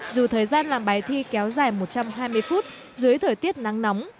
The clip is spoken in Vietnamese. dù thời gian làm bài thi kéo dài một trăm hai mươi phút dưới thời tiết nắng nóng